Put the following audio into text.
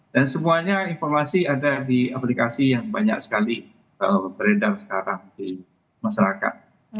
dan semuanya informasi ada di aplikasi yang banyak sekali beredar sekarang di masyarakat